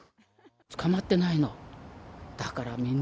捕まってないの。